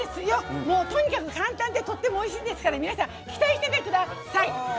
とにかく簡単でとってもおいしいですから皆さん、期待しててください！